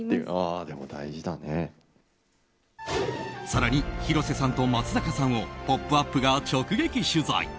更に、広瀬さんと松坂さんを「ポップＵＰ！」が直撃取材。